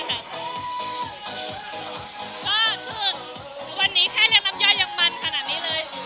ก็คือวันนี้แค่เรียกน้ำย่อยยังมันขนาดนี้เลย